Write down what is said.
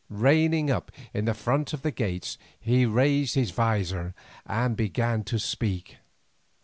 Reining up in front of the gates he raised his visor and began to speak.